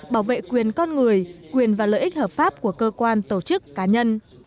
bảo vệ quyền con người quyền và lợi ích hợp pháp của cơ quan tổ chức cá nhân